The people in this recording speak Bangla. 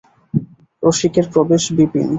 রসিকের প্রবেশ বিপিন।